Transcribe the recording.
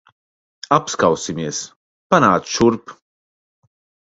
Apskausimies. Panāc šurp.